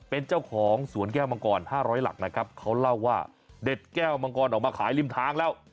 เป็นเจ้าของสวนแก้วมังกร๕๐๐หลักนะครับเขาเล่าว่าเด็ดแก้วมังกรออกมาขายริมทางแล้ว